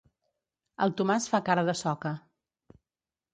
El Tomàs fa cara de soca.